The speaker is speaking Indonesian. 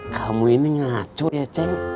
kamu ini ngacu ya ceng